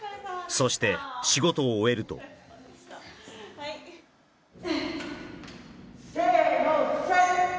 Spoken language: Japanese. そして仕事を終えると・せーのせっ！